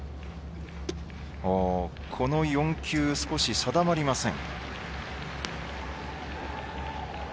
この４球、少し定まりません。